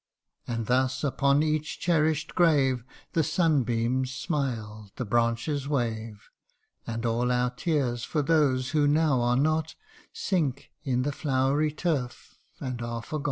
And thus upon each cherish 'd grave The sunbeams smile, the branches wave ; And all our tears for those who now are not, Sink in the flowery turf and are forgot